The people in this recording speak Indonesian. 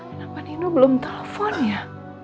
kenapa ninu belum telepon ya